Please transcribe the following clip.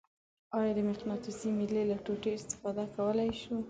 آیا د مقناطیسي میلې له ټوټې استفاده کولی شو؟